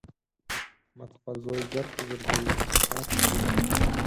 احمد خپل زوی ګرد ګرځوي چې ساعت يې تېر شي.